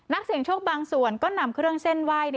เสียงโชคบางส่วนก็นำเครื่องเส้นไหว้